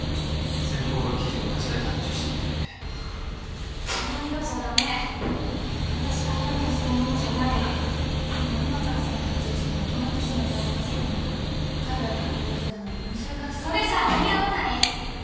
先方が生地を間違えて発注したみたいでこの色じゃダメ私が表現したいものじゃないでも今から再発注してもこの生地の在庫が既になくて海外から取り寄せるのに２週間近くそれじゃ間に合わない！